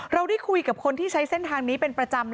เราได้คุยกับคนที่ใช้เส้นทางนี้เป็นประจำ